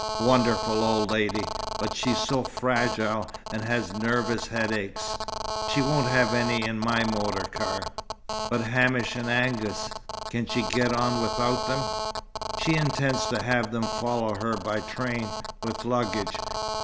"Wonderful old lady! But she's so fragile and has nervous headaches " "She won't have any in my motor car." "But Hamish and Angus. Can she get on without them?" "She intends to have them follow her by train, with luggage.